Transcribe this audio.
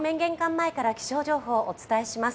前から気象情報、お伝えします。